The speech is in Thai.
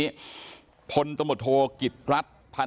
ก็แค่นั้นครับไม่มีอะไรมากมาย